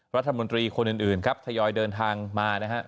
รัฐมนตรีคนอื่นครับทยอยเดินทางมานะครับ